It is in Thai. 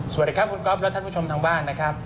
สวัสดีครับคุณก๊อฟและท่านผู้ชมทางบ้านนะครับ